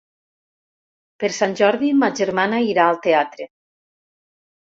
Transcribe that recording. Per Sant Jordi ma germana irà al teatre.